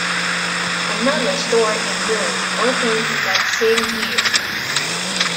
Another store in Milan opened that same year.